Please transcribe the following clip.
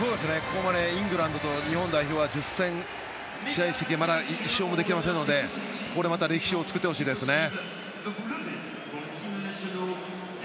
イングランドと日本代表は１０戦、試合をしてまだ１勝もできていませんのでここでまた歴史を作ってほしいですね。